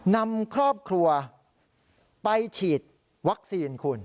นำครอบครัวไปฉีดวัคซีนคุณ